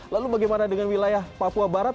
lalu bagaimana dengan wilayah papua barat